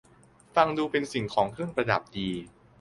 ฟังดูเป็นสิ่งของเครื่องประดับดี